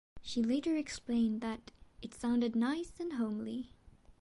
She later explained that "it sounded nice and homely".